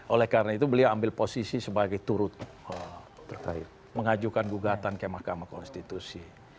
oleh karena itu beliau ambil posisi sebagai turut mengajukan gugatan ke mahkamah konstitusi